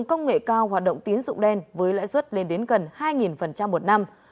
công nghệ cao hoạt động tiến dụng đen với lãi suất lên đến gần hai một năm